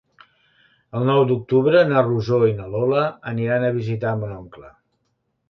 El nou d'octubre na Rosó i na Lola aniran a visitar mon oncle.